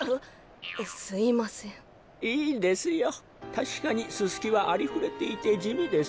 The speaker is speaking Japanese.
たしかにススキはありふれていてじみです。